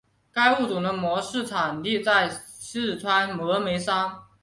该物种的模式产地在四川峨眉山。